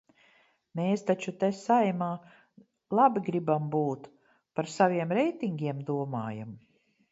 Mēs taču te, Saeimā, labi gribam būt, par saviem reitingiem domājam.